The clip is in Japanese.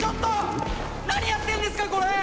何やってんですかこれ！